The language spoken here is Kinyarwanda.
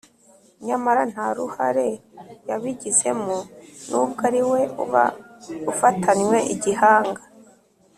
nyamara nta ruhare yabigizemo n'ubwo ariwe uba ufatanywe igihanga